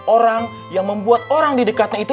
orang yang membuat orang di dekatnya itu